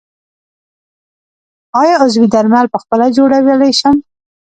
آیا عضوي درمل پخپله جوړولی شم؟